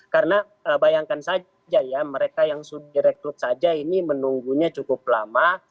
karena bayangkan saja ya mereka yang sudah di rekrut saja ini menunggunya cukup lama